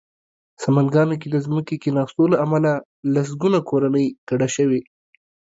سمنګانو کې د ځمکې کېناستو له امله لسګونه کورنۍ کډه شوې